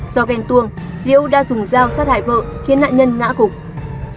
do ghen tuông lý úc đã dùng dao sát hại vợ khiến nạn nhân ngã cục